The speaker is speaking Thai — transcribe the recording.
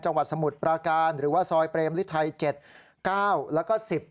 สมุทรปราการหรือว่าซอยเปรมฤทัย๗๙แล้วก็๑๐